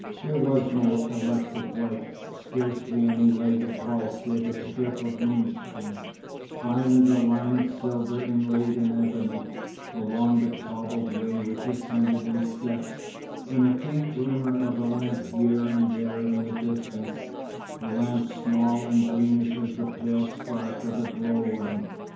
There was no electric light, scarcely any light at all save a strip of moonshine, fine as a line of silver inlaid in ebony, along the cobbled way which ascended in steps, and a faint glimmer of a lamp here and there in the distance, a lamp small and greenish as the pale spark of a glow worm.